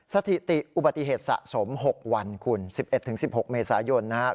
สถิติอุบัติเหตุสะสม๖วันคุณ๑๑๑๖เมษายนนะครับ